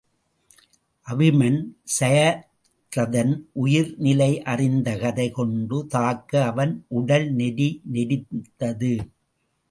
அபிமன் சயத்ரதன் உயிர் நிலை அறிந்து கதை கொண்டு தாக்க அவன் உடல் நெரி நெரிந்தது.